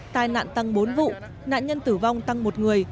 tai nạn tăng bốn vụ nạn nhân tử vong tăng một người